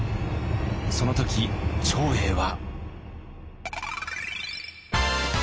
その時長英は。